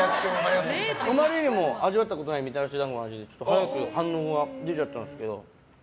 あまりにも味わったことがないみたらし団子の味でちょっと早く反応が出ちゃったんですけど。